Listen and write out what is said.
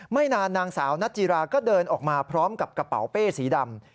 ไม่นานนางสาวนัทจิราก็เดินออกมาพร้อมกับกระเป๋าเป้สีดำ